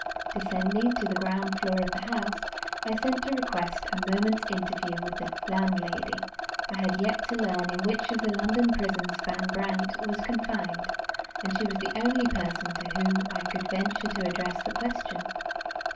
DESCENDING to the ground floor of the house, I sent to request a moment's interview with the landlady. I had yet to learn in which of the London prisons Van Brandt was confined; and she was the only person to whom I could venture to address the question.